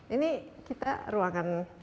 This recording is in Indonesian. ini kita ruangan